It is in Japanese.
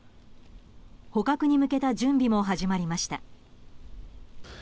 捕獲に向けた準備も始まりました。